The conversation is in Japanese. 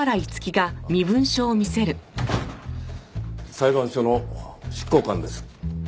裁判所の執行官です。